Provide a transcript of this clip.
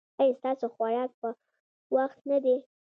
ایا ستاسو خوراک په وخت نه دی؟